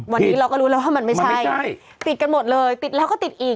วันนี้เราก็รู้แล้วว่ามันไม่ใช่ติดกันหมดเลยติดแล้วก็ติดอีก